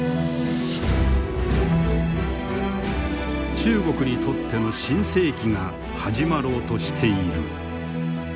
中国にとっての新世紀が始まろうとしている。